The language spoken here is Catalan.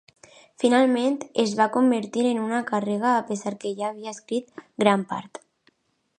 Finalment, es va convertir en una càrrega, a pesar que ja havia escrit gran part.